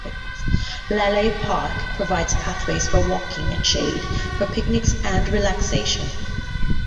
Laleh Park provides pathways for walking and shade for picnics and relaxation.